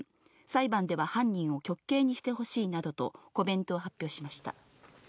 裁判では犯人を極刑にしてほしいなどとコメントを発表しました。